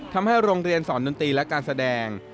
ทำให้โรงเรียนสอนดนตรีและการแสดง